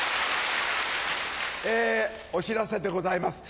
お知らせでございます。